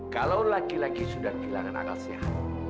kalau laki laki sudah kehilangan akal sehat